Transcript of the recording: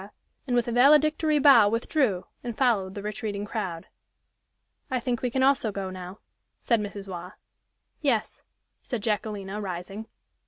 and with a valedictory bow withdrew, and followed the retreating crowd. "I think we can also go now," said Mrs. Waugh. "Yes," said Jacquelina, rising.